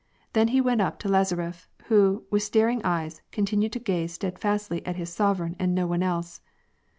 Then he went up to Laza ref, who, with staring eyes, continued to gaze steadfastly at his sovereign and no one else.